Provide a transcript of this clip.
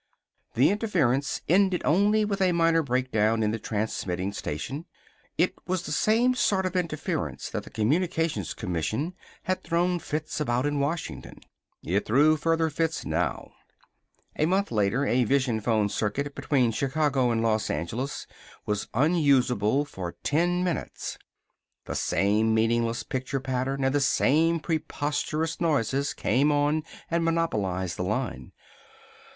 The interference ended only with a minor break down in the transmitting station. It was the same sort of interference that the Communications Commission had thrown fits about in Washington. It threw further fits now. A month later a vision phone circuit between Chicago and Los Angeles was unusable for ten minutes. The same meaningless picture pattern and the same preposterous noises came on and monopolized the line.